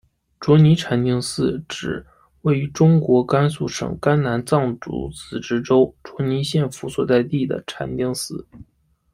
卓尼禅定寺指位于中国甘肃省甘南藏族自治州卓尼县府所在地的禅定寺。